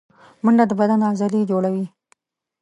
منډه د بدن عضلې جوړوي